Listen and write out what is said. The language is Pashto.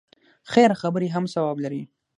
خیر خبرې هم ثواب لري.